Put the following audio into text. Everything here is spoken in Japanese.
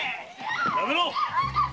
やめろ！